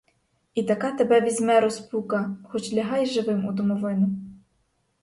І така тебе візьме розпука, хоч лягай живим у домовину.